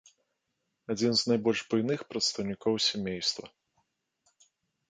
Адзін з найбольш буйных прадстаўнікоў сямейства.